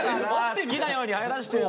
好きなように入らせてよ。